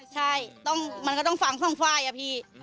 ใช่มันก็ต้องฟังสองฝ่ายอะพี่